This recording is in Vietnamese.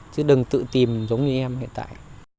chứ đừng tự tìm giống như em hiện tại